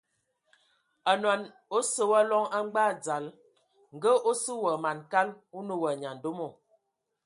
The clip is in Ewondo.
Onɔn o sɔ wa loŋ a ngbag dzal, ngə o sə wa man kal, o nə wa nyandomo.